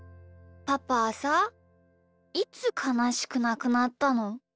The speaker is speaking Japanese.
パパはさいつかなしくなくなったの？